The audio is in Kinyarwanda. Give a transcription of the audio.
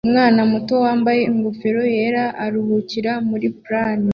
Umwana muto wambaye ingofero yera aruhukira muri pram